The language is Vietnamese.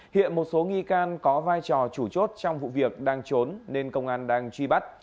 hiện một số nghi can có vai trò chủ chốt trong vụ việc đang trốn nên công an đang truy bắt